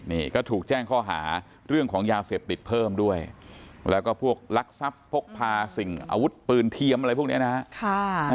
นี่ก็ถูกแจ้งข้อหาเรื่องของยาเสพติดเพิ่มด้วยแล้วก็พวกลักทรัพย์พกพาสิ่งอาวุธปืนเทียมอะไรพวกนี้นะฮะ